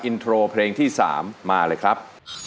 อินโทรเพลงที่๓มาเลยครับ